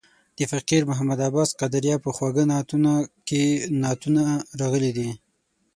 د فقیر محمد عباس قادریه په خواږه نعتونه کې یې نعتونه راغلي دي.